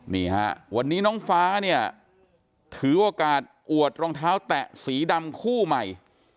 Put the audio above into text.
นี่ฮะวันนี้น้องฟ้าเนี่ยถือโอกาสอวดรองเท้าแตะสีดำคู่ใหม่